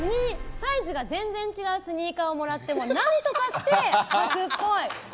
サイズが全然違うスニーカーをもらっても何とかして履くっぽい。